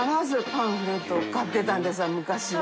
昔は。